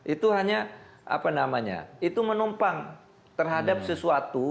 itu hanya menumpang terhadap sesuatu